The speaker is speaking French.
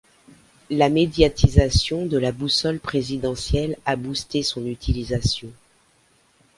La médiatisation de la Boussole Présidentielle a boosté son utilisation.